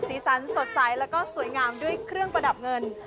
สันสดใสแล้วก็สวยงามด้วยเครื่องประดับเงิน